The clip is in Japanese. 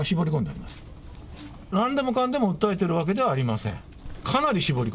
なんでもかんでも訴えているわけではありません。